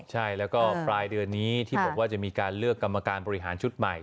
ใช่แล้วก็ปลายเดือนนี้ที่บอกว่าจะมีการเลือกกรรมการบริหารชุดใหม่